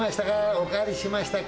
おかわりしましたか？